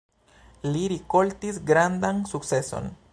Li rikoltis grandan sukceson.